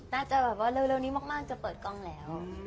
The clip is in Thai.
น่าจะแบบว่าเร็วนี้มากจะเปิดกล้องแล้ว